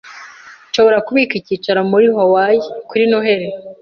Nshobora kubika icyicaro muri Hawaii kuri Noheri?